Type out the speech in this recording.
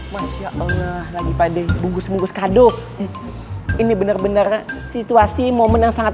hai masya allah lagi pade bungkus bungkus kadok ini bener bener situasi momen yang sangat